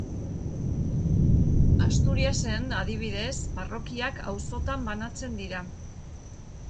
Asturiasen, adibidez, parrokiak auzotan banatzen dira.